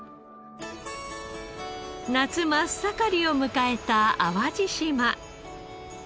夏真っ盛りを迎えた淡路島。